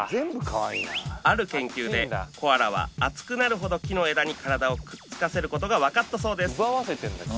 ある研究でコアラは暑くなるほど木の枝に体をくっつかせることが分かったそうです